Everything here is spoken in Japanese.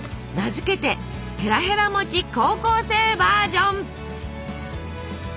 名付けて「へらへら餅高校生バージョン」！